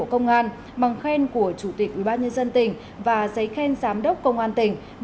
bộ công an bằng khen của chủ tịch ubnd tỉnh và giấy khen giám đốc công an tỉnh